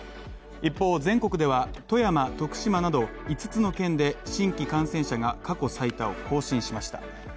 一方、全国では富山、徳島など５つの県で新規感染者が過去最多を更新しました。